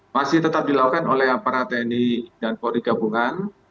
masih tetap dilakukan oleh aparat tni dan polri gabungan